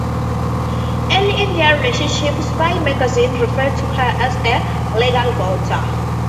Early in their relationship, "Spy Magazine" referred to her as "a legal voter".